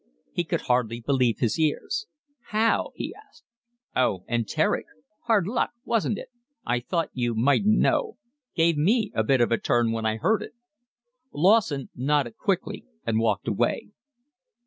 He could hardly believe his ears. "How?" he asked. "Oh, enteric. Hard luck, wasn't it? I thought you mightn't know. Gave me a bit of a turn when I heard it." Lawson nodded quickly and walked away.